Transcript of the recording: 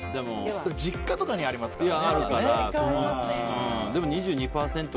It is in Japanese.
実家とかにありますよね。